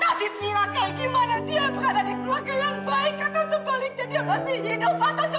mama tuh sampai sekarang gak tahu nasib mira kayak gimana dia berada di keluarga yang baik atau sebaliknya dia masih hidup atau sebaliknya